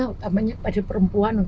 utamanya pada perempuan